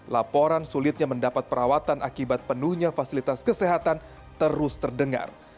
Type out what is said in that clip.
laporan sulitnya mendapat perawatan akibat penuhnya fasilitas kesehatan terus terdengar